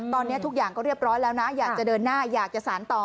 ตอนนี้ทุกอย่างก็เรียบร้อยแล้วนะอยากจะเดินหน้าอยากจะสารต่อ